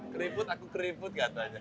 keriput aku keriput katanya